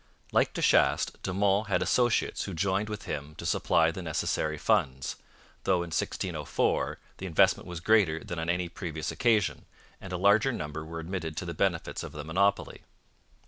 Like De Chastes, De Monts had associates who joined with him to supply the necessary funds, though in 1604. the investment was greater than on any previous occasion, and a larger number were admitted to the benefits of the monopoly.